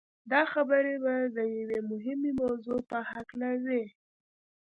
دا خبرې به د يوې مهمې موضوع په هکله وي.